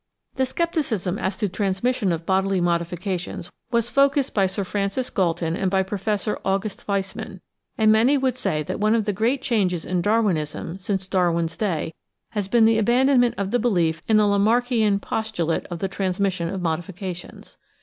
How Darwinism Stands To«Day 875 The scepticism as to transmission of bodily modifications was focussed by Sir Francis Galton and by Professor August Weis mann; and many would say that one of the great changes in Darwinism since Darwin's day has been the abandonment of belief in the Lamarckian postulate of the transmission of modifi cations.